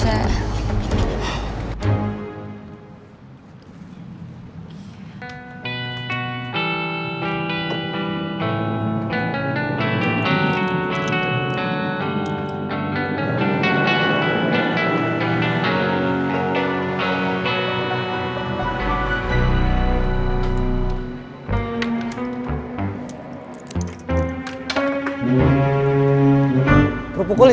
soalnya dia kayak gini